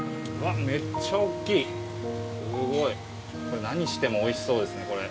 これ何にしてもおいしそうですねこれ。